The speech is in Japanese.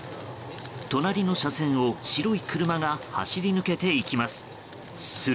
隣の車線を白い車が走り抜けていきます。